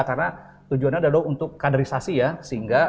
karena tujuannya adalah untuk kaderisasi ya sehingga